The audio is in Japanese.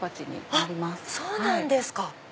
あっそうなんですか！